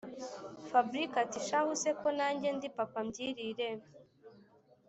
fabric ati”shahu se ko najye ndi papabyirire”